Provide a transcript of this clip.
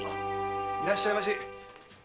いらっしゃいまし！